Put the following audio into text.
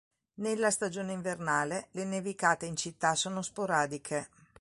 Nella stagione invernale, le nevicate in città sono sporadiche.